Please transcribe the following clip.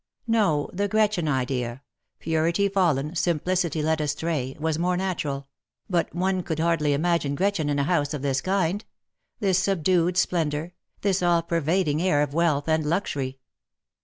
No, the Gretchen idea — purity fallen, simplicity led astray — was more natural — but one could hardly imagine Gretchen in a house of this kind — this subdued splendour — this all pervading air of wealth and luxury.